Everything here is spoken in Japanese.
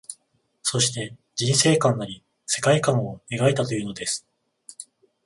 そして、人世観なり世界観を描いたというのです